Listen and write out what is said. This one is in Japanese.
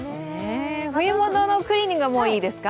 冬物のクリーニングはもういいですか？